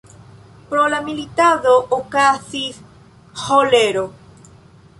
Pro la militado okazis ĥolero.